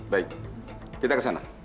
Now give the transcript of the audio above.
baik kita ke sana